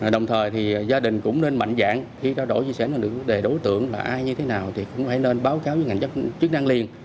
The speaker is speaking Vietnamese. đồng thời thì gia đình cũng nên mạnh dạng khi trao đổi chia sẻ về đối tượng là ai như thế nào thì cũng phải lên báo cáo với ngành chức năng liền